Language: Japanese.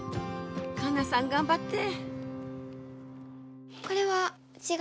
花菜さん頑張って。